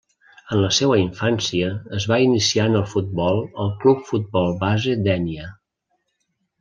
En la seua infància es va iniciar en el futbol al club Futbol Base Dénia.